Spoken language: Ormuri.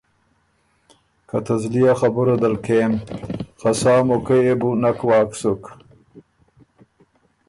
که ته زلی ا خبُره دل کېم خه سا موقع يې بُو نک واک سُک